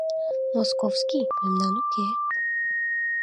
— «Московский» мемнан уке...